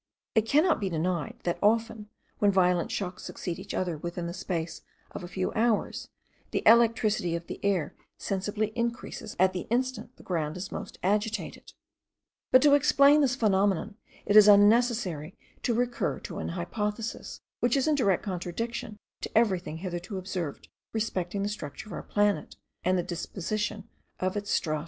It cannot be denied, that often, when violent shocks succeed each other within the space of a few hours, the electricity of the air sensibly increases at the instant the ground is most agitated; but to explain this phenomenon, it is unnecessary to recur to an hypothesis, which is in direct contradiction to everything hitherto observed respecting the structure of our planet, and the disposition of its strata.